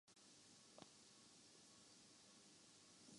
میں اس معاملے کوایک اور زاویے سے بھی دیکھتا تھا۔